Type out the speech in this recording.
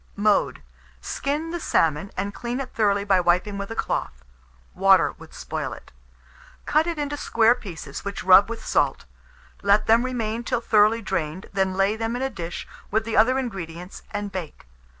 Mode. Skin the salmon, and clean it thoroughly by wiping with a cloth (water would spoil it); cut it into square pieces, which rub with salt; let them remain till thoroughly drained, then lay them in a dish with the other ingredients, and bake.